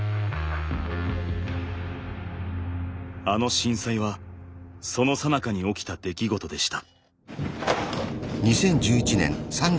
あの震災はそのさなかに起きた出来事でした。